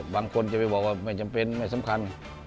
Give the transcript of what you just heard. บางคนจะไปบอกว่าไม่จำเป็นไม่สำคัญ